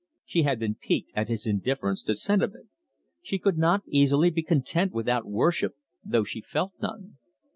She had been piqued at his indifference to sentiment; she could not easily be content without worship, though she felt none.